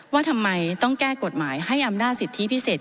ว่าทำไมต้องแก้กฎหมายให้อำนาจสิทธิพิเศษ